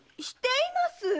しています！